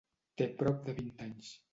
Té prop de vint anys.